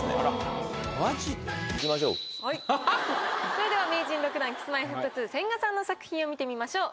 それでは名人６段Ｋｉｓ−Ｍｙ−Ｆｔ２千賀さんの作品を見てみましょう。